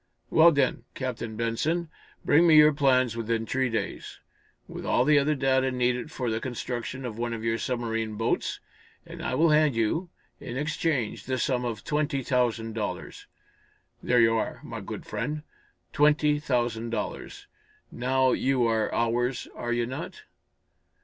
"Well, then, Captain Benson, bring me your plans within three days, with all the other data needed for the construction of one of your submarine boats, and I will hand you, in exchange, the sum of twenty thousand dollars. There you are, my good friend! Twenty thousand dollars. Now you are ours, are you not?"